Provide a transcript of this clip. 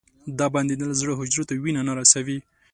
دا بندېدل زړه حجرو ته وینه نه رسوي.